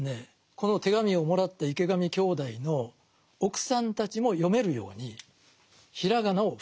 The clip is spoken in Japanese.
この手紙をもらった池上兄弟の奥さんたちも読めるように平仮名を振ってあげた。